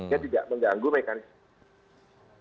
dia tidak mengganggu mekanisme